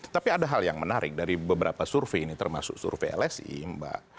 tapi ada hal yang menarik dari beberapa survei ini termasuk survei lsi mbak